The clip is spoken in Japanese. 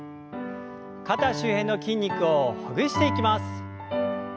肩周辺の筋肉をほぐしていきます。